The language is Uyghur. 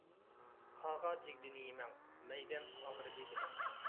قاغا جىگدىنى يىمەڭ، مەيدەم ئاغرىدى دىمەڭ.